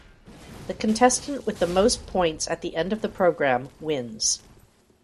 The contestant with the most points at the end of the programme wins.